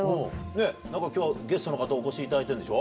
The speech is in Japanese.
ねっ何か今日はゲストの方お越しいただいてるんでしょ？